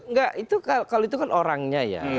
enggak itu kalau itu kan orangnya ya